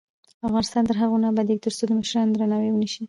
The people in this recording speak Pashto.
افغانستان تر هغو نه ابادیږي، ترڅو د مشرانو درناوی ونشي.